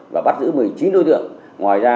và bắt giữ một mươi chín đối tượng